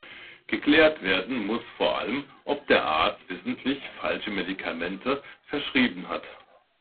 Geklärt werden muss vor allem, ob der Arzt wissentlich falsche Medikamente verschrieben hat.